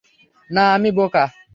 নাহ, আমি বোকা।